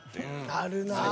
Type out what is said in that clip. あるな！